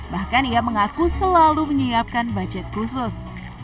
bahkan ia mengaku selalu menyiapkan budget khusus